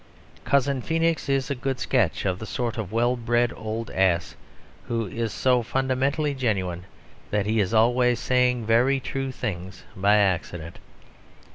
Cousin Feenix is a good sketch of the sort of well bred old ass who is so fundamentally genuine that he is always saying very true things by accident.